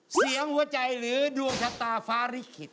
หัวใจหรือดวงชะตาฟ้าลิขิต